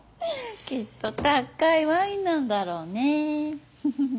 きっと高いワインなんだろうねふふふっ。